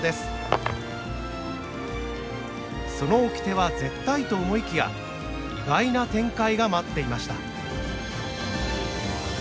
その掟は絶対と思いきや意外な展開が待っていました。